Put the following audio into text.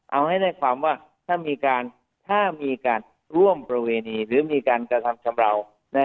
เอาให้ได้ความว่าถ้ามีการร่วมประเวณีหรือมีการกระทำชำราว